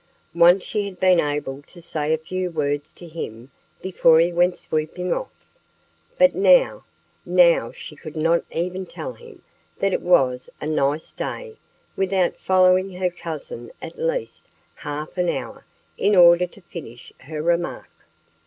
Once she had been able to say a few words to him before he went swooping off. But now now she could not even tell him that it was a nice day without following her cousin at least half an hour in order to finish her remark.